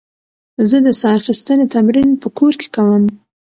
زه د ساه اخیستنې تمرین په کور کې کوم.